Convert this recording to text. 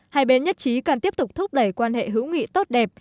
hai bên nhất trí cần tiếp tục thúc đẩy quan hệ hữu nghị tốt đẹp